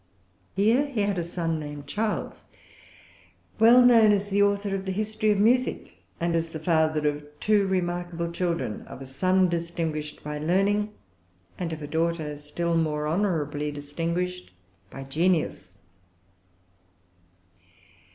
Here he had a son named Charles, well known as the author of the History of Music, and as the father of two remarkable children, of a son distinguished by learning, and of a daughter still more honorably distinguished by genius.